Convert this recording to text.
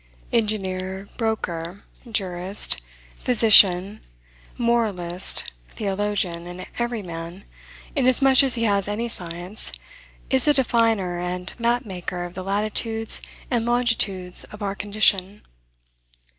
Engineer, broker, jurist, physician, moralist, theologian, and every man, inasmuch as he has any science, is a definer and map maker of the latitudes and longitudes of our condition.